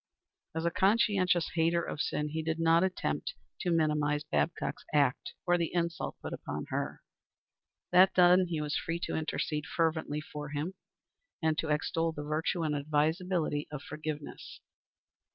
As a conscientious hater of sin, he did not attempt to minimize Babcock's act or the insult put upon her. That done, he was free to intercede fervently for him and to extol the virtue and the advisability of forgiveness.